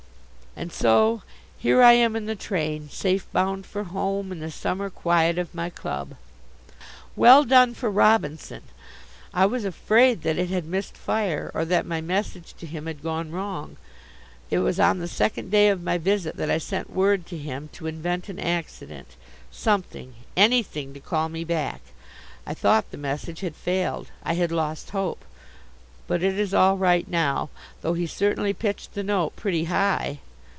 And so here I am in the train, safe bound for home and the summer quiet of my club. Well done for Robinson! I was afraid that it had missed fire, or that my message to him had gone wrong. It was on the second day of my visit that I sent word to him to invent an accident something, anything to call me back. I thought the message had failed. I had lost hope. But it is all right now, though he certainly pitched the note pretty high.